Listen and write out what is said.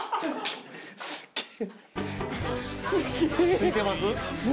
ついてます？